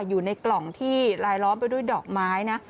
อยู่ในกล่องที่ลายล้อมไปด้วยดอกไม้นะ